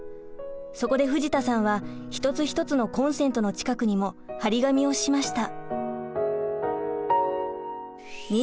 そこで藤田さんは一つ一つのコンセントの近くにも張り紙をしました。